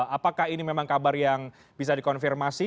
apakah ini memang kabar yang bisa dikonfirmasi